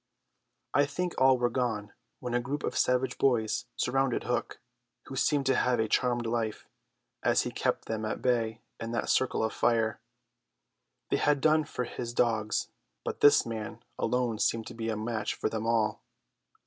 I think all were gone when a group of savage boys surrounded Hook, who seemed to have a charmed life, as he kept them at bay in that circle of fire. They had done for his dogs, but this man alone seemed to be a match for them all.